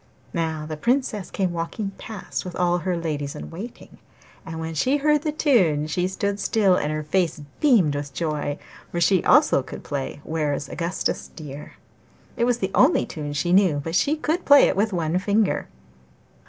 Now the Princess came walking past with all her ladies in waiting, and when she heard the tune she stood still and her face beamed with joy, for she also could play 'Where is Augustus dear?' It was the only tune she knew, but that she could play with one finger.